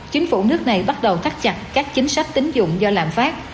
chính phủ nước này bắt đầu cắt chặt các chính sách tính dụng do lạm phát